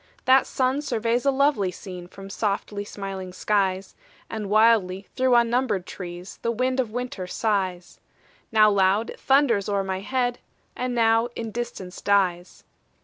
That sun surveys a lovely scene From softly smiling skies; And wildly through unnumbered trees The wind of winter sighs: Now loud, it thunders o'er my head, And now in distance dies.